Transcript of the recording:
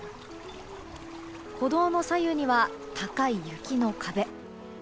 歩道の左右には高い雪の壁。